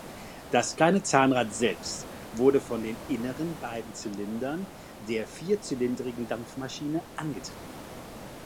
Das kleine Zahnrad selbst wurde von den inneren beiden Zylindern der vierzylindrigen Dampfmaschine angetrieben.